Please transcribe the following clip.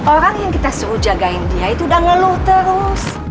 orang yang kita suruh jagain dia itu udah ngeluh terus